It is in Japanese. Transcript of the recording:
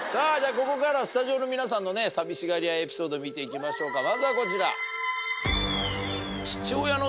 ここからはスタジオの皆さんのね寂しがり屋エピソード見ていきましょうかまずはこちら。